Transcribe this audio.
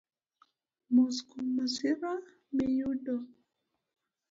Mos kuom masira miyudo